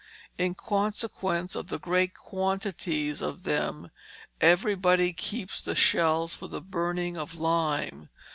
In consequence of the great quantities of them everybody keeps the shells for the burning of lime.